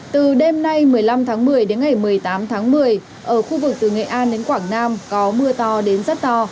từ đêm nay một mươi năm tháng một mươi đến ngày một mươi tám tháng một mươi ở khu vực từ nghệ an đến quảng nam có mưa to đến rất to